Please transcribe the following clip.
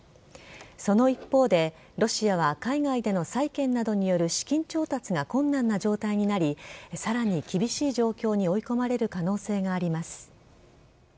その一方でロシアは海外での債権などによる資金調達が困難な状態になりさらに厳しい状況に追い込まれる可能性があります。